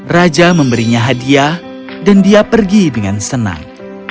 raja memberinya hadiah dan dia pergi dengan senang